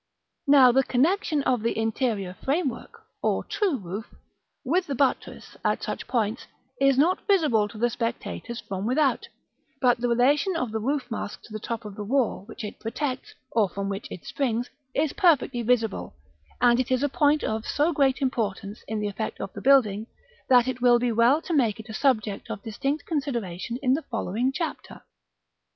Now the connexion of the interior frame work (or true roof) with the buttress, at such points, is not visible to the spectators from without; but the relation of the roof mask to the top of the wall which it protects, or from which it springs, is perfectly visible; and it is a point of so great importance in the effect of the building, that it will be well to make it a subject of distinct consideration in the following Chapter.